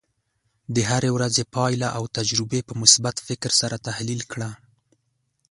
د هرې ورځې پایله او تجربې په مثبت فکر سره تحلیل کړه.